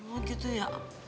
oh gitu ya